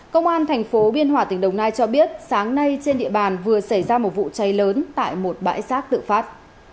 công an thành phố biên hòa tỉnh đồng nai cho biết sáng nay trên địa bàn vừa xảy ra một vụ cháy lớn tại một bãi rác tự phát